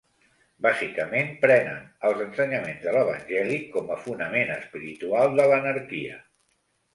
Bàsicament prenen els ensenyaments de l'Evangeli com fonament espiritual de l'anarquia.